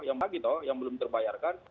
yang lagi toh yang belum terbayarkan